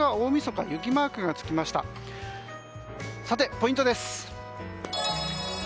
ポイントです。